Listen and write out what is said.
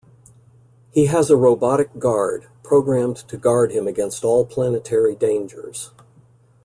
He has a robotic guard, programmed to guard him against all planetary dangers.